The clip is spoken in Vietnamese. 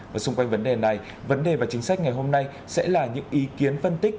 và xung quanh vấn đề này vấn đề và chính sách ngày hôm nay sẽ là những ý kiến phân tích